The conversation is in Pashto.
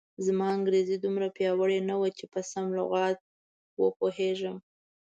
زما انګریزي دومره پیاوړې نه وه چې په سم لغت و پوهېږم.